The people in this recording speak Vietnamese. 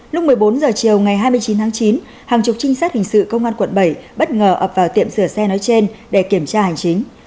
lúc một mươi bốn h chiều ngày hai mươi chín tháng chín hàng chục trinh sát hình sự công an quận bảy bất ngờ ập vào tiệm sửa xe nói trên để kiểm tra hành chính